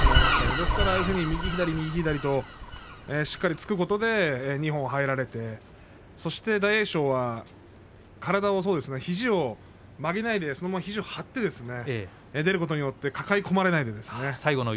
ですので右左右左としっかり突くことで二本入られてそして大栄翔は体もそうですけれども肘を曲げないで肘を張って出ることによって抱え込まれないんですね。